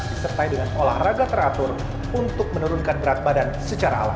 disertai dengan olahraga teratur untuk menurunkan berat badan secara alam